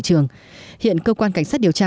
cơ quan cảnh sát điều tra cơ quan cảnh sát điều tra